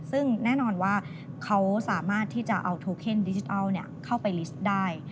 ซึ่งแน่นอนว่าเขาสามารถที่จะเอาโทเคนดิจิทัลเข้าไปลิสต์ได้